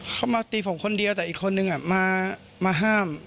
เขามาตีผมคนเดียวแต่อีกคนนึงมาห้าม